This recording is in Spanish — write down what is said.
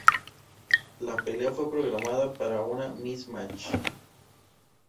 La pelea fue programada como una miss-match.